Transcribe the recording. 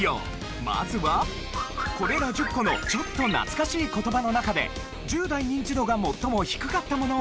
これら１０個のちょっと懐かしい言葉の中で１０代ニンチドが最も低かったものを当てるクイズ。